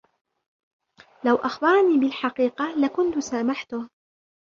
لو أخبرني بالحقيقة لكنت سامحته.